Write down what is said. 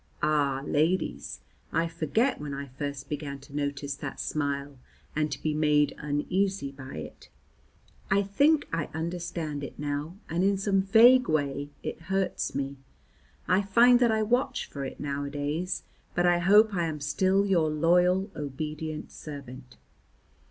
Ah, ladies, I forget when I first began to notice that smile and to be made uneasy by it. I think I understand it now, and in some vague way it hurts me. I find that I watch for it nowadays, but I hope I am still your loyal, obedient servant.